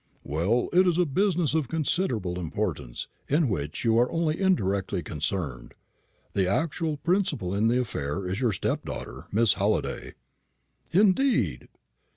"Well, it is a business of considerable importance, in which you are only indirectly concerned. The actual principal in the affair is your stepdaughter, Miss Halliday." "Indeed!"